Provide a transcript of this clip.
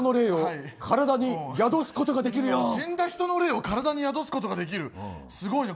死んだ人の霊を体に宿すことができるよ。